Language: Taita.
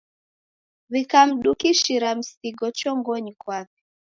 W'ikamdukishira msigo chongonyi kwape.